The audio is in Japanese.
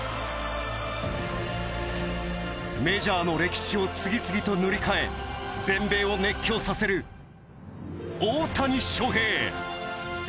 メジャーの歴史を次々と塗り替え全米を熱狂させる大谷翔平。